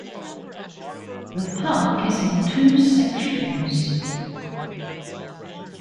The park is in two sections.